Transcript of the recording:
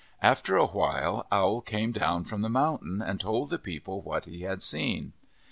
After a while Owl came down from the mountain and told the people what he had seen.